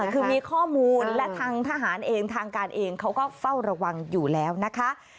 คือมีข้อมูลและทางทหารเองทางการเองเขาก็เฝ้าระวังอยู่แล้วนะคะ